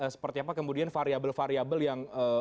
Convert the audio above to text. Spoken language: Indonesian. seperti apa kemudian variabel variabel yang